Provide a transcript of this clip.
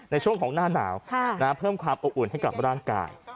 ในช่วงของหน้าหนาวเพิ่มความอบอุ่นให้กับร่างกาย